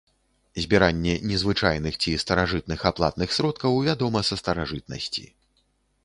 Збіранне незвычайных ці старажытных аплатных сродкаў вядома са старажытнасці.